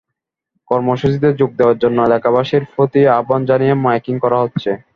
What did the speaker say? কর্মসূচিতে যোগ দেওয়ার জন্য এলাকাবাসীর প্রতি আহ্বান জানিয়ে মাইকিং করা হচ্ছে।